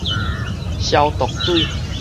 消毒水